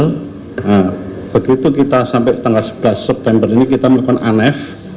nah begitu kita sampai tanggal sebelas september ini kita melakukan anf